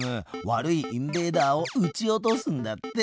悪いインベーダーをうち落とすんだって。